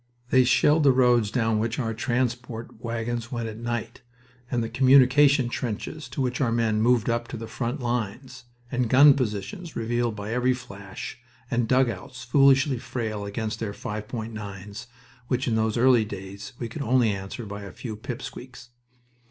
They shelled the roads down which our transport wagons went at night, and the communication trenches to which our men moved up to the front lines, and gun positions revealed by every flash, and dugouts foolishly frail against their 5.9's, which in those early days we could only answer by a few pip squeaks.